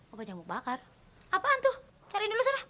obat nyamuk bakar apaan tuh cari dulu sana